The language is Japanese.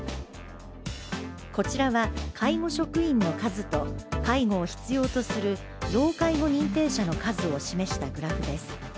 こちらは、介護職員の数と介護を必要とする要介護認定者の数を示したグラフです。